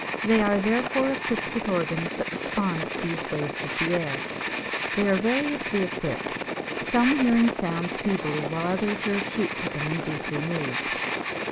They are therefore equipped with organs that respond to these waves of the air. They are variously equipped, some hearing certain sounds feebly where others are acute to them and deeply moved.